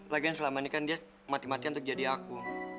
lagian selama nikah dia mati matian untuk jadi aku